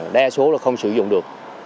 đa số là không sử dụng được